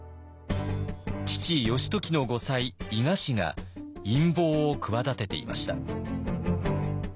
父義時の後妻伊賀氏が陰謀を企てていました。